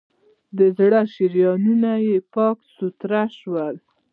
د زړه شریانونه یې پاک سوتره شي.